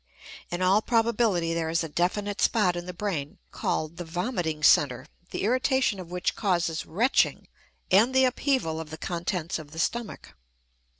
In all probability there is a definite spot in the brain, called the "vomiting center," the irritation of which causes retching and the upheaval of the contents of the stomach.